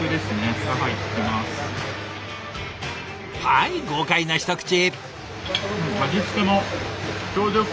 はい豪快な一口！